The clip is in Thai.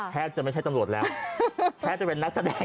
แทบจะไม่ใช่ตำรวจแล้วแทบจะเป็นนักแสดง